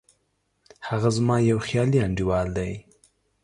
هغه زما یو خیالي انډیوال دی